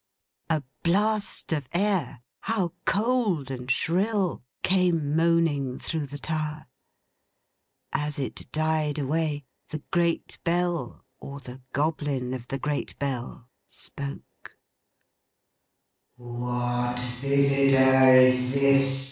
A blast of air—how cold and shrill!—came moaning through the tower. As it died away, the Great Bell, or the Goblin of the Great Bell, spoke.